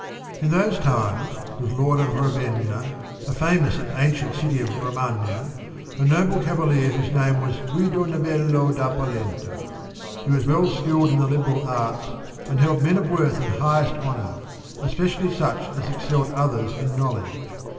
In those times was Lord of Ravenna (a famous and ancient city of Romagna), a noble cavalier whose name was Guido Novell© da Polenta ; he was well skilled in the liberal arts and held men of worth in highest honour, especially such as excelled others in knowledge.